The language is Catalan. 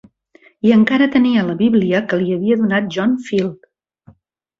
I encara tenia la Bíblia que li havia donat John Field.